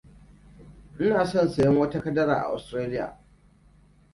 Ina son sayen wata dukiya a Australia.